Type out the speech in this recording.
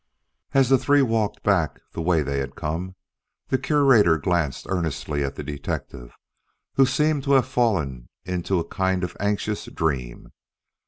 As the three walked back the way they had come, the Curator glanced earnestly at the detective, who seemed to have fallen into a kind of anxious dream.